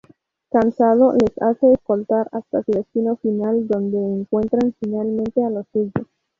Cansado, les hace escoltar hasta su destino final, donde encuentran finalmente a los suyos.